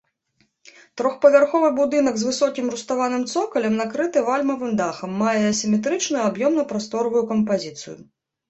Трохпавярховы будынак з высокім руставаным цокалем, накрыты вальмавым дахам, мае асіметрычную аб'ёмна-прасторавую кампазіцыю.